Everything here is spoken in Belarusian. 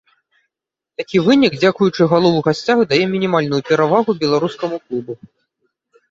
Такі вынік дзякуючы галу ў гасцях дае мінімальную перавагу беларускаму клубу.